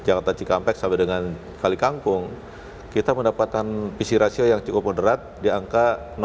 di jakarta cikampek sampai dengan kali kampung kita mendapatkan pc ratio yang cukup moderat di angka tujuh puluh dua